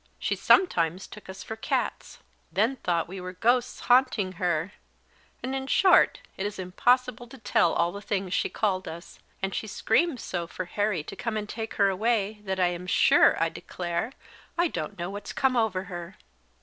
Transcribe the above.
She sometimes took us for cats; then thought we were ghosts haunting her; and, in short, it is impossible to tell all the things she called us; and she screams so for Harry to come and take her away that I am sure I declare I don't know what's come over her!"